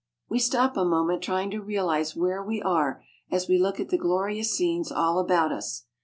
We stop a moment trying to realize where we are as we look at the glorious scenes all about us.